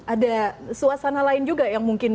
ada suasana lain juga yang mungkin